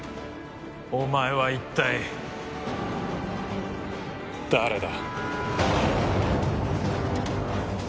お前は一体誰だ？